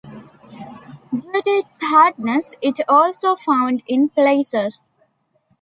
Due to its hardness it also is found in placers.